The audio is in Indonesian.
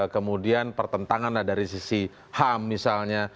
kemudian pertentangan dari sisi ham misalnya